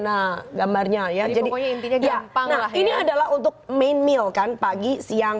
nah gambarnya ya jadi pokoknya intinya gampang lah ini adalah untuk main meal kan pagi siang